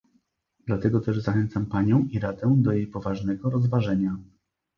Dlatego też zachęcam panią i Radę do jej poważnego rozważenia